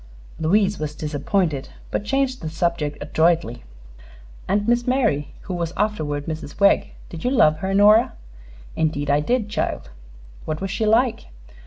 Louise was disappointed, but changed the subject adroitly. "And Miss Mary, who was afterward Mrs. Wegg. Did you love her, Nora?" "Indeed I did, child." "What was she like?"